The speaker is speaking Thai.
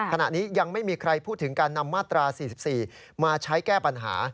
ขณะนี้ยังไม่มีใครพูดถึงการนำมาตรา๔๔มาใช้แก้ปัญหา